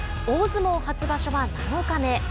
大相撲初場所は７日目。